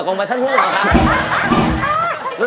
หลับแล้ว